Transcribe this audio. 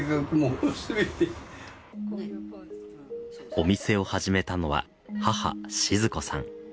お店を始めたのは母静子さん。